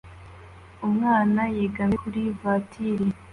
Umwana yegamiye kuri vatiri